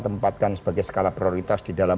tempatkan sebagai skala prioritas di dalam